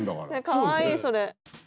かわいいそれ。